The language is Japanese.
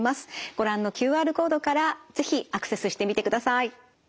ご覧のＱＲコードから是非アクセスしてみてください。